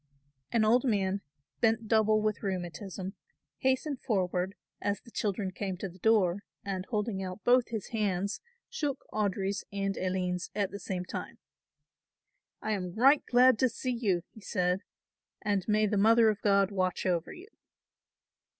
An old man, bent double with rheumatism, hastened forward as the children came to the door and, holding out both his hands, shook Audry's and Aline's at the same time. "I am right glad to see you," he said, "and may the Mother of God watch over you."